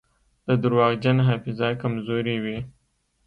د درواغجن حافظه کمزورې وي.